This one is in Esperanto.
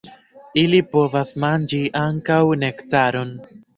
Ili povas manĝi ankaŭ nektaron.